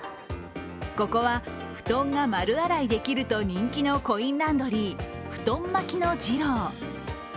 ここは布団が丸洗いできると人気のコインランドリー、フトン巻きのジロー。